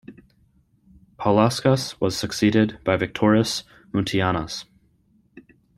Paulauskas was succeeded by Viktoras Muntianas.